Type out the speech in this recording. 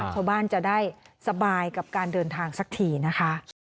ชาวบ้านจะได้สบายกับการเดินทางสักทีนะคะ